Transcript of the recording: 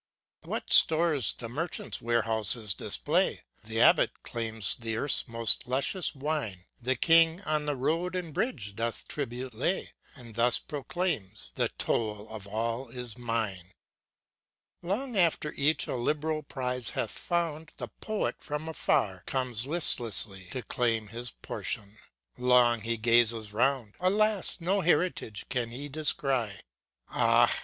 What stores the Merchant's warehouses display! The Abbot claims the Earth's most luscious wine, The King, on road, and bridge, doth tribute lay, And thus proclaims: ŌĆ×The toll of all is mine!" ŌĆö Long after each a liberal prize hath found, The Poet, from afar, comes listlessly. To claim his portion. Long he gazes round , Alas! no heritage can he descry. ŌĆö J. C. F. von SCHILLER, 205 ŌĆ×Ah!